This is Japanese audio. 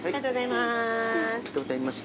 ありがとうございます。